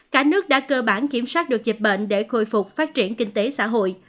cả nước đã cơ bản kiểm soát được dịch bệnh để khôi phục phát triển kinh tế xã hội